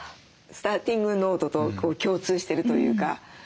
スターティングノートと共通してるというか。